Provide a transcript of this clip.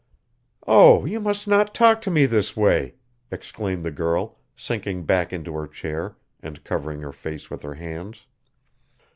"Oh, you must not talk to me this way!" exclaimed the girl, sinking back into her chair and covering her face with her hands.